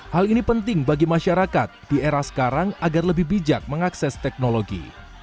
hal ini penting bagi masyarakat di era sekarang agar lebih bijak mengakses teknologi